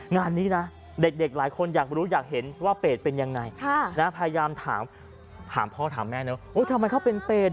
ก็อยากให้เด็กคนเห็นว่าเปรตเป็นยังไงพยายามถามพ่อกับติแม่ว่าเหมือนเปรต